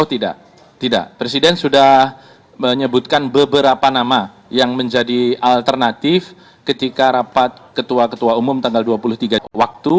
tidak tidak presiden sudah menyebutkan beberapa nama yang menjadi alternatif ketika rapat ketua ketua umum tanggal dua puluh tiga waktu